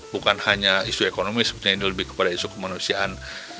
bukan hanya isu ekonomi sebetulnya ini lebih kepada isu kemanusiaan